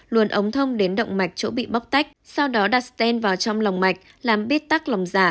luồn ống thông đến động mạch chỗ bị bóc tách sau đó đặt sten vào trong lòng mạch làm bít tắc lòng giả